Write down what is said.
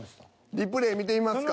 リプレイ見てみますか？